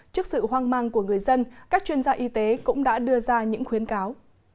trước sự hoang mang của người dân các chuyên gia y tế cũng đã đưa ra những khuyến cáo